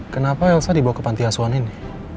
kenapa elsa dibawa ke panti asuhan ini